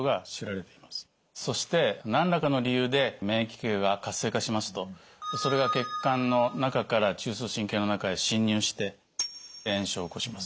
そして何らかの理由で免疫球が活性化しますとそれが血管の中から中枢神経の中へ侵入して炎症を起こします。